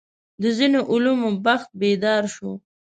د ځینو علومو بخت بیدار شو.